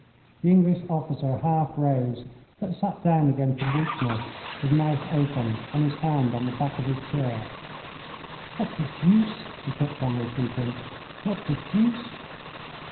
The English officer half rose, but sat down again from weakness, his mouth open and his hand on the back of his chair. "What the deuce!" he kept on repeating, "what the deuce!"